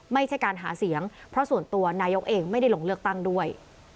ไม่ใช่การหาเสียงเพราะส่วนตัวนายกเองไม่ได้ลงเลือกตั้งด้วย